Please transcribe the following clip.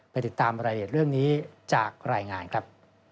ติดตามรายละเอียดเรื่องนี้จากรายงานครับ